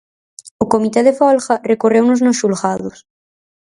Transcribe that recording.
O comité de folga recorreunos nos xulgados.